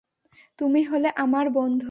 তুমি হলে আমার বন্ধু।